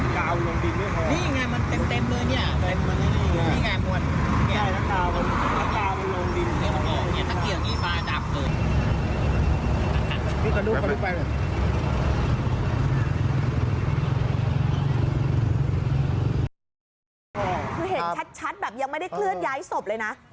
คือเห็นชัดแบบยังไม่ได้เคลื่อนย้ายศพเลยนะ